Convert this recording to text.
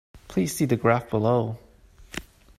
Please see the graph below.